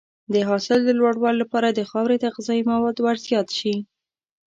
د حاصل د لوړوالي لپاره خاورې ته غذایي مواد ورزیات شي.